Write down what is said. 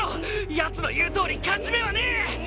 ヤツの言うとおり勝ち目はねえ！